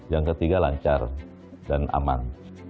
yang ketiga lancar dan aman